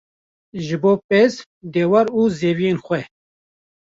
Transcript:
ji bo pez, dewar û zeviyên xwe